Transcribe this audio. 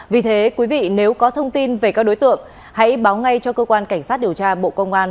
vì thế quý vị nếu có thông tin về các đối tượng hãy báo ngay cho cơ quan cảnh sát điều tra bộ công an